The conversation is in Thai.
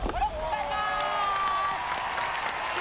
๒๐๐บาท